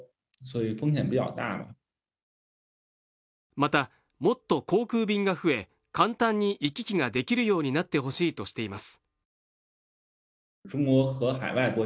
また、もっと航空便が増え、簡単に行き来ができるようになってほしいとしています。